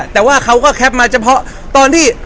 แต่ว่าเขาก็แคปมาเฉพาะตอนที่